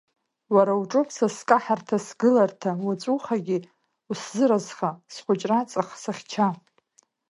Уара уҿоуп са скаҳарҭа сгыларҭа, уаҵәухагьы усзыразха, схәыҷра аҵх, сыхьча.